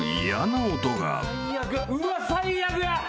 うわっ最悪や！